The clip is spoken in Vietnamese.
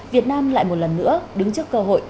việt nam lại một lần nữa đứng trước cơ hội